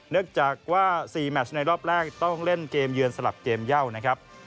จากว่า๔แมชในรอบแรกต้องเล่นเกมเยือนสลับเกมเย่านะครับ